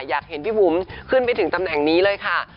อยากเห็นพี่บุ๋มขึ้นไปถึงตำแหน่งนี้เลยค่ะ